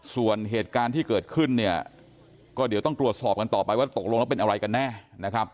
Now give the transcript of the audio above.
ส่วนเหตุการณ์ที่เกิดขึ้นเนี่ยก็เดี๋ยวต้องตรวจสอบกันต่อไปว่าตกลงแล้วเป็นอะไรกันแน่นะครับ